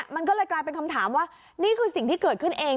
มันก็เลยกลายเป็นคำถามว่านี่คือสิ่งที่เกิดขึ้นเอง